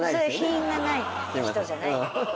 品がない人じゃない。